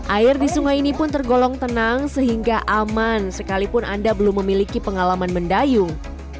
air di sungai ini pun tergolong tenang sehingga aman sekalipun anda belum memiliki pengalaman mendayung